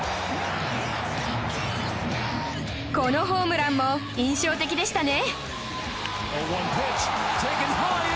このホームランも印象的でしたね